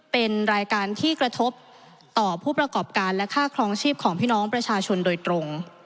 เป็นรายการที่กระทบต่อผู้ประกอบการและค่าครองชีพของพี่น้องประชาชนโดยตรง